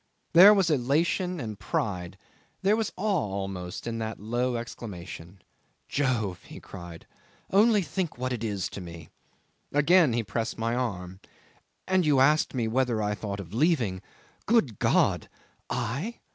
'There was elation and pride, there was awe almost, in that low exclamation. "Jove!" he cried, "only think what it is to me." Again he pressed my arm. "And you asked me whether I thought of leaving. Good God! I!